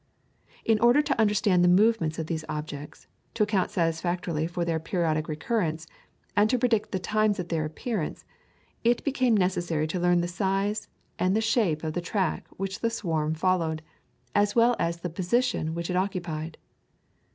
In order to understand the movements of these objects, to account satisfactorily for their periodic recurrence, and to predict the times of their appearance, it became necessary to learn the size and the shape of the track which the swarm followed, as well as the position which it occupied.